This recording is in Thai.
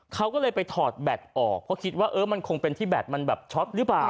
เขาก็เลยไปถอดแบตออกเพราะคิดว่าเออมันคงเป็นที่แบตมันแบบช็อตหรือเปล่า